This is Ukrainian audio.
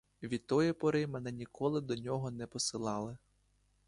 Від тої пори мене ніколи до нього не посилали.